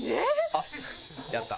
あっやった。